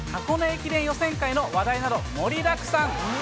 駅伝予選会の話題など、盛りだくさん。